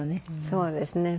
そうですね。